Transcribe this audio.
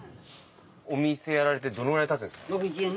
お店やられてどのぐらいたつんですか？